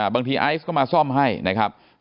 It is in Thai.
ไอซ์ก็มาซ่อมให้นะครับ